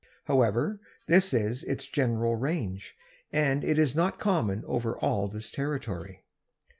However, this is its general range, and it is not common over all this territory.